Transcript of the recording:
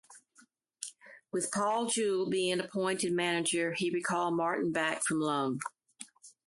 With Paul Jewell being appointed manager, he recalled Martin back from loan.